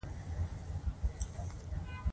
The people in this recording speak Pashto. ایا ستاسو دوسیه به پاکه وي؟